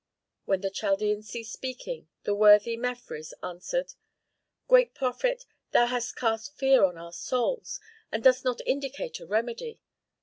When the Chaldean ceased speaking, the worthy Mefres answered, "Great prophet, thou hast cast fear on our souls, and dost not indicate a remedy.